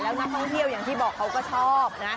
แล้วนักท่องเที่ยวอย่างที่บอกเขาก็ชอบนะ